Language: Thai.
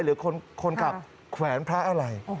หรือคนขับแขวนพระอะไร